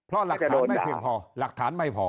เพราะหลักฐานไม่พอ